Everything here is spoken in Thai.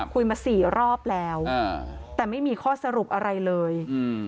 คุยมาสี่รอบแล้วแต่ไม่มีข้อสรุปอะไรเลย